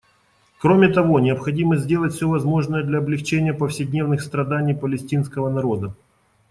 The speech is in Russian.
Кроме того, необходимо сделать все возможное для облегчения повседневных страданий палестинского народа.